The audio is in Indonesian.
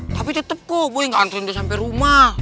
tapi tetep kok boy gak antriin dia sampe rumah